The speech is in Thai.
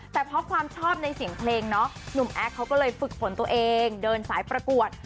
แต่เพราะความชอบในเสียงเพลงเนาะหนุ่มแอคเขาก็เลยฝึกฝนตัวเองเดินสายประกวด